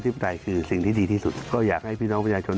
ปรายคือสิ่งที่ดีที่สุดก็อยากให้พี่น้องประชาชน